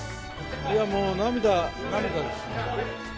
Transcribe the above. いやもう、涙涙です。